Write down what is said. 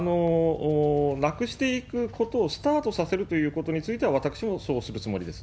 なくしていくことをスタートさせるということについては、私もそうするつもりです。